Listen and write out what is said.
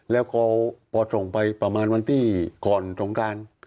แล้วพอส่งไปประมาณวันที่ก่อนสงการ